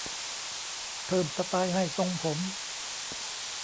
เพิ่มสไตล์ให้ทรงผม